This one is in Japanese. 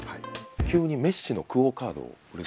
急にメッシのＱＵＯカードを。